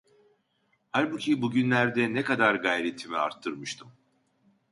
Halbuki bugünlerde ne kadar gayretimi artırmıştım.